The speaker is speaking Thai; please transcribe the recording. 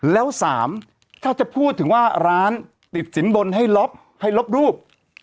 แล้ว๓ถ้าจะพูดถึงว่าร้านติดสินบนให้ลบให้ลบรูป